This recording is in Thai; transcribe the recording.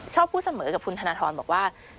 ชอบพูดเสมอล่ะกับคุณทะนทรแบบว่า